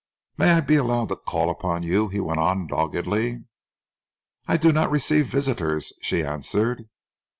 "May I be allowed to call upon you?" he went on, doggedly. "I do not receive visitors," she answered.